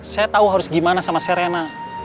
saya tahu harus gimana sama serena